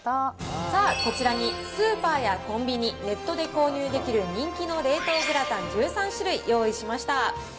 さあ、こちらのスーパーやコンビニ、ネットで購入できる人気の冷凍グラタン１３種類、用意しました。